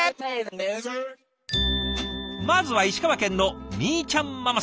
まずは石川県のみーちゃんママさんから。